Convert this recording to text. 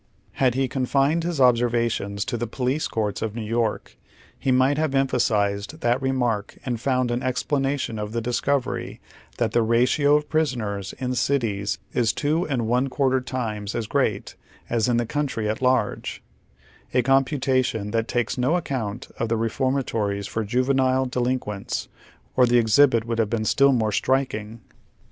Had lie confined his observations to the police courts of New York, he might have emphasized that i eniark and found an explanation of tlie discovery that " the ratio of prisoners in cities is two and one quarter times as great as in the country at large," a computation that takes no account of the reformatories for juvenile delinquents, or the exhibit would have been still more striking.